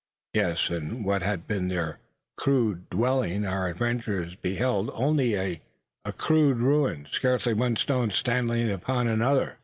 Yes in what had been their rude dwelling our adventurers beheld only a ruder ruin scarce one stone standing upon, another!